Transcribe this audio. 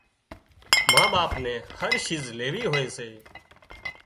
ما ٻاپ نين هر شيز ليوي هوئي سي